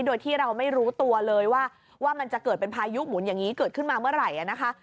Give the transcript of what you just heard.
โดยที่เราไม่รู้ตัวเลยว่ามันจะเกิดเป็นพายุหมุนอย่างนี้เกิดขึ้นมาเมื่อไหร่นะคะ